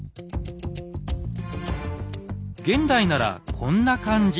現代ならこんな感じ。